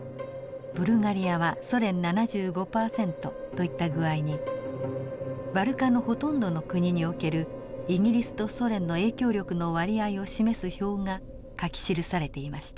ブルガリアはソ連７５パーセントといった具合にバルカンのほとんどの国におけるイギリスとソ連の影響力の割合を示す表が書き記されていました。